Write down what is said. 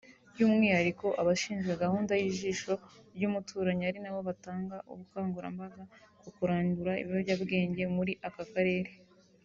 by’umwihariko abashinzwe gahunda y’ijisho ry’umuturanyi ari nabo batanga ubukangurambaga ku kurandura ibiyobyabwenge muri aka karere